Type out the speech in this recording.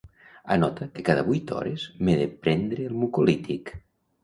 Anota que cada vuit hores m'he de prendre el mucolític.